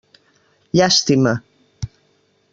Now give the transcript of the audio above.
Llàstima.